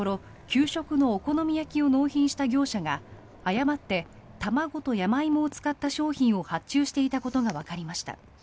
給食のお好み焼きを納品した業者が誤って卵とヤマイモと使った商品を発注していたことがわかりました。